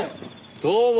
どうも。